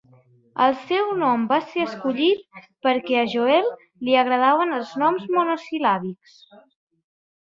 El seu nom va ser escollit perquè a Joel li agraden els noms monosil·làbics.